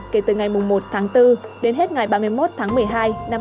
kể từ ngày một tháng bốn đến hết ngày ba mươi một tháng một mươi hai năm hai nghìn hai mươi